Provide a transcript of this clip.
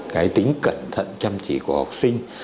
cái tính cẩn thận chăm chỉ của học sinh